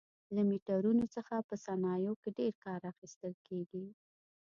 له میټرونو څخه په صنایعو کې ډېر کار اخیستل کېږي.